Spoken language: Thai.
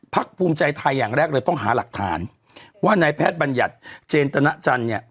พรรคภูมิใจไทยอย่างแรกเลยต้องหาหลักฐานว่าในแพทย์บรรยัตน์เจนตะนะจันทร์เนี้ย